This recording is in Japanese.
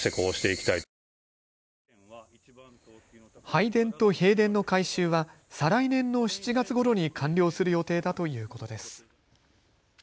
拝殿と幣殿の改修は再来年の７月ごろに完了する予定だということです。